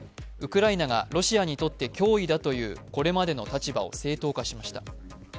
ウクライナがロシアにとって脅威だというこれまでの立場を正当化しました。